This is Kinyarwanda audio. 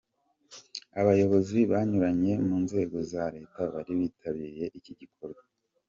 Abayobozi banyuranye mu nzego za leta bari bitabiriye iki gikorwa.